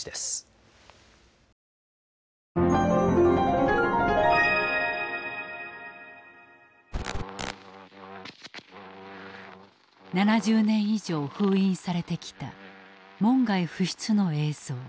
７０年以上封印されてきた門外不出の映像。